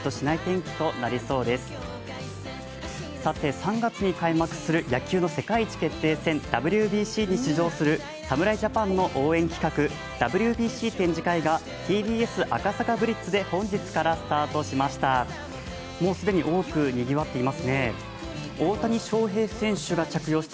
３月に開幕する野球の世界一決定戦・ＷＢＣに出場する侍ジャパンの応援企画「ＷＢＣ展示会」がＴＢＳ赤坂ＢＬＩＴＺで本日からスタートしました。